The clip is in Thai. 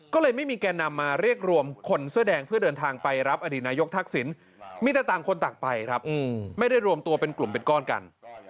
ก็เลยไม่มีแก่นำมาเรียกรวมคนเสื้อแดงเพื่อเดินทางไปรับอดีตนายกทักษิณมีแต่ต่างคนต่างไปครับไม่ได้รวมตัวเป็นกลุ่มเป็นก้อนกัน